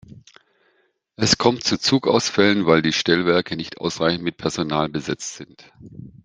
Es kommt zu Zugausfällen, weil die Stellwerke nicht ausreichend mit Personal besetzt sind.